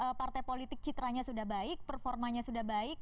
kalau partai politik citranya sudah baik performanya sudah baik